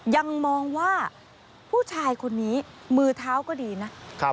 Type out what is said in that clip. ยังมองว่าผู้ชายคนนี้มือเท้าก็ดีนะ